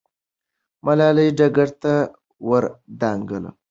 ملالۍ ډګر ته ور دانګله.